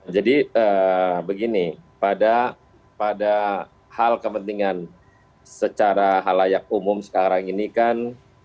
jadi begini pada hal kepentingan secara halayak umum sekarang ini kan